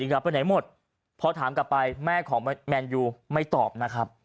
กลับไปไหนหมดพอถามกลับไปแม่ของแมนยูไม่ตอบนะครับ